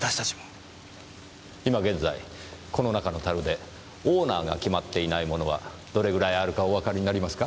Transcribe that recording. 今現在この中の樽でオーナーが決まっていないものはどれぐらいあるかおわかりになりますか？